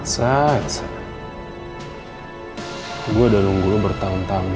biar gua bisa nolak permintaan riki